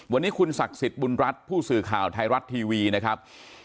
วันนี้คุณศักดิ์สิทธิ์บุญรัฐผู้สื่อข่าวไทยรัฐทีวีนะครับ